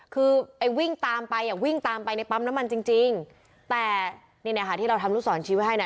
คือไอ้วิ่งตามไปอ่ะวิ่งตามไปในปั๊มน้ำมันจริงจริงแต่นี่นะคะที่เราทำลูกศรชี้ไว้ให้นะ